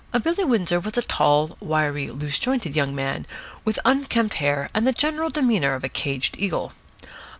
Billy Windsor was a tall, wiry, loose jointed young man, with unkempt hair and the general demeanour of a caged eagle.